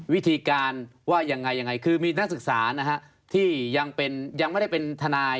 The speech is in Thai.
วิธีการว่ายังไงยังไงคือมีนักศึกษานะฮะที่ยังไม่ได้เป็นทนาย